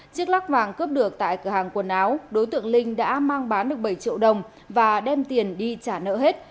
chiếc lắc vàng cướp được tại cửa hàng quần áo đối tượng linh đã mang bán được bảy triệu đồng và đem tiền đi trả nợ hết